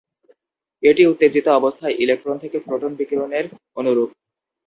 এটি উত্তেজিত অবস্থায় ইলেকট্রন থেকে ফোটন বিকিরণের অনুরূপ।